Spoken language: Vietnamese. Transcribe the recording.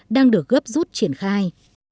đang được gấp rút triển khai